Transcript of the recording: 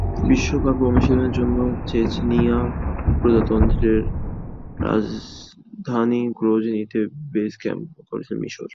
বিশ্বকাপে অনুশীলনের জন্য চেচনিয়া প্রজাতন্ত্রের রাজধানী গ্রোজনিতে বেস ক্যাম্প করেছিল মিসর।